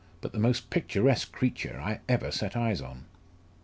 But the most picturesque creature I ever set eyes on!"